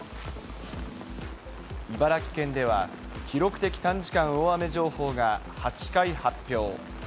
茨城県では、記録的短時間大雨情報が８回発表。